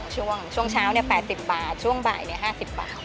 ช่วงเช้า๘๐บาทช่วงบ่าย๕๐บาท